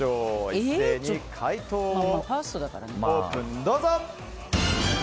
一斉に解答をオープン！